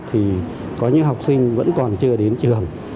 thì có những học sinh vẫn còn chưa đến trường